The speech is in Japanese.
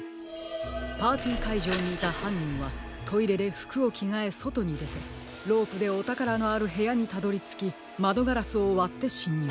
パーティーかいじょうにいたはんにんはトイレでふくをきがえそとにでてロープでおたからのあるへやにたどりつきまどガラスをわってしんにゅう。